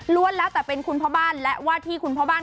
ล้วนแล้วแต่เป็นคุณพ่อบ้าน